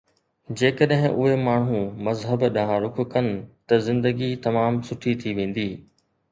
جيڪڏهن اهي ماڻهو مذهب ڏانهن رخ ڪن ته زندگي تمام سٺي ٿي ويندي